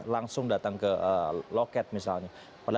langsung datang ke loket misalnya